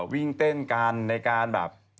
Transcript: วิ่งเต้นกันในการแบบ